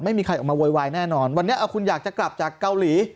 ไม่มีใครออกมาโวยวายแน่นอนวันนี้คุณอยากจะกลับจากเกาหลี